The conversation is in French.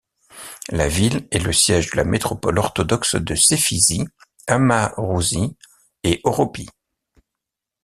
La ville est le siège de la métropole orthodoxe de Céphisie, Amarousie et Oropie.